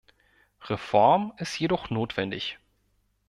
Reform ist jedoch notwendig.